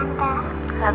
mau nyanyi gak